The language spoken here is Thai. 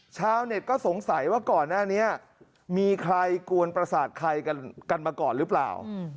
ชาวเน็ตก็สงสัยว่าก่อนหน้านี้มีใครกวนประสาทใครกันมาก่อนหรือเปล่า